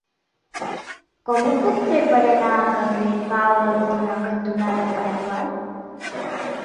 Com ho puc fer per anar al carrer Pau Alsina cantonada Paraguai?